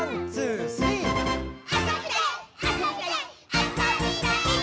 あそびたいっ！」